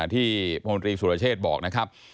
ที่มศุรเชษฐ์บอกนะครับ